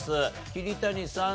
桐谷さん